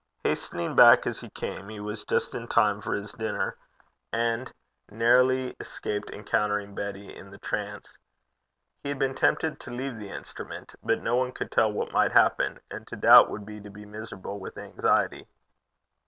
Hastening back as he came, he was just in time for his dinner, and narrowly escaped encountering Betty in the transe. He had been tempted to leave the instrument, but no one could tell what might happen, and to doubt would be to be miserable with anxiety.